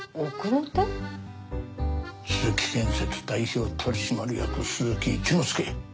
鈴木建設代表取締役鈴木一之助